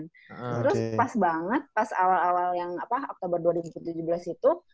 terus pas banget pas awal awal yang apa oktober dua ribu tujuh belas itu